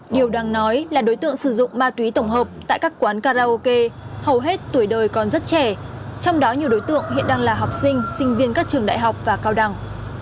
điều đang nói là đối tượng sử dụng ma túy tổng hợp tại các quán karaoke hầu hết tuổi đời còn rất trẻ trong đó nhiều đối tượng hiện đang là học sinh sinh viên các trường đại học và cao đẳng